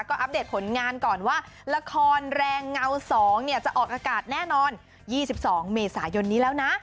ก็อัปเดตผลงานก่อนว่าละครแรงเงา๒เนี่ยจะออกอากาศแน่นอน๒๒เมษายนนี้แล้วนะ